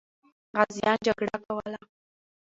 غازیان جګړه کوله.